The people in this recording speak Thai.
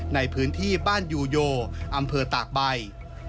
ในพื้นที่บ้านยูโยอำเภอตากใบ